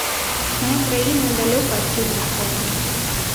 Мая краіна далёка адсюль на поўдзень.